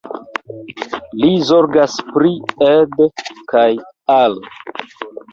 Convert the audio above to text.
Li zorgas pri Ed kaj Al.